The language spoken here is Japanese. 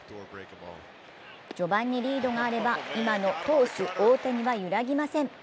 序盤にリードがあれば今の投手・大谷は揺らぎません。